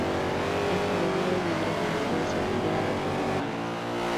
El cloruro de hidrógeno puede ser liberado por volcanes.